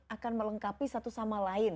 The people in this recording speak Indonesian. akan melengkapi satu sama lain